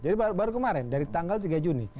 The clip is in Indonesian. jadi itu baru kemarin dari tanggal tiga juni